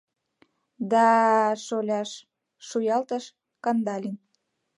— Да-а-а, шоляш, — шуялтыш Кандалин.